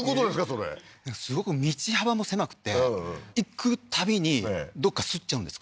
それすごく道幅も狭くて行くたびにどっかすっちゃうんです